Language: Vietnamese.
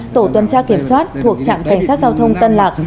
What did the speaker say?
tổ tuân tra kiểm soát thuộc trạng cảnh sát giao thông tân lạc